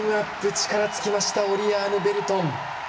力尽きましたオリアーヌ・ベルトン。